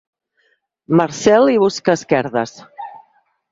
Marcel hi busca esquerdes.